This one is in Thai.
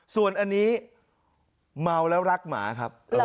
ส่วนอันนี้เมาแล้วรักหมาครับ